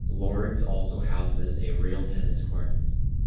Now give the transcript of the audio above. Lord's also houses a real tennis court.